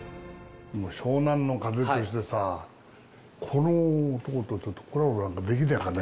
もう湘南乃風としてさ、この男とちょっと、コラボなんかできないかね？